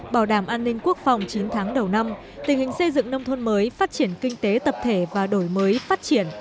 bảo đảm an ninh quốc phòng chín tháng đầu năm tình hình xây dựng nông thôn mới phát triển kinh tế tập thể và đổi mới phát triển